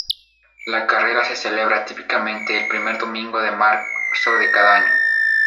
La carrera se celebra típicamente el primer domingo de marzo de cada año.